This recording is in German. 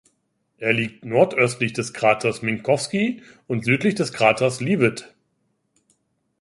Er liegt nordöstlich des Kraters Minkowski und südlich des Kraters Leavitt.